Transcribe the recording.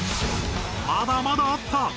まだまだあった。